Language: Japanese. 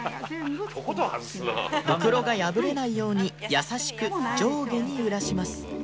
袋が破れないように優しく上下に揺らします